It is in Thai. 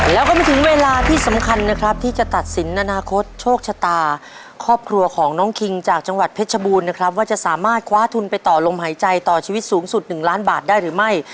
แล้วก็มาถึงเวลาที่สำคัญนะครับที่จะตัดสินอนาคตโชคชะตาครอบครัวของน้องคิงจากจังหวัดเพชรบูรณ์นะครับว่าจะสามารถคว้าทุนไปต่อลมหายใจต่อชีวิตสูงสุด๑ล้านบาทได้หรือไม่